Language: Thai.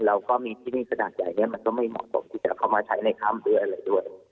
แล้วก็มีที่นี่สะดัดใหญ่มันก็ไม่เหมาะตกที่จะเข้ามาใช้ในค่ำด้วย